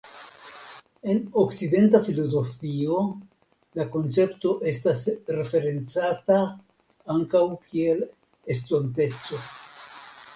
En Okcidenta filozofio la koncepto estas referencata ankaŭ kiel "estonteco".